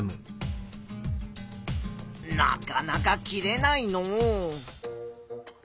なかなか切れないのう。